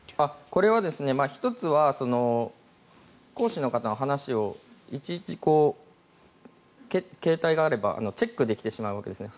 これは、１つは講師の方の話をいちいち携帯があればチェックできてしまうわけですね